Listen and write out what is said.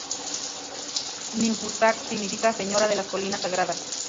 Ninhursag significa 'Señora de las Colinas Sagradas'.